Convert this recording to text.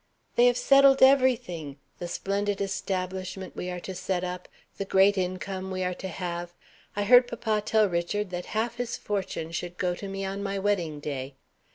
"They have settled everything. The splendid establishment we are to set up, the great income we are to have. I heard papa tell Richard that half his fortune should go to me on my wedding day.